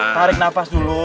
tarik napas dulu